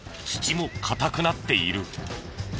土も硬くなっている。